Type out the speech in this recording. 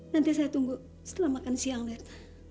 nanti saya tunggu setelah makan siang lihat